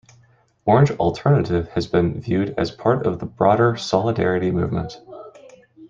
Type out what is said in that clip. Orange Alternative has been viewed as part of the broader Solidarity movement.